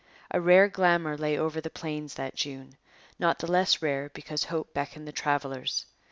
A rare glamour lay over the plains that June, not the less rare because hope beckoned the travellers.